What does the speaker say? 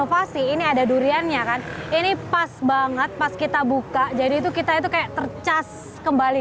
inovasi ini ada duriannya kan ini pas banget pas kita buka jadi itu kita itu kayak tercas kembali